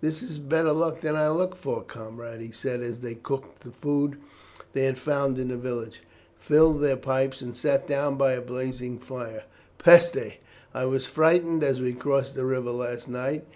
"This is better luck than I looked for, comrade," he said as they cooked the food they had found in the village, filled their pipes, and sat down by a blazing fire. "Peste! I was frightened as we crossed the river last night.